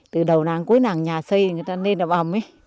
từ đầu nàng cuối nàng nhà xây người ta lên là bầm